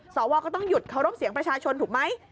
สวก็ต้องหยุดเคารพเสียงประชาชนถูกไหม